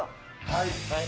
はい！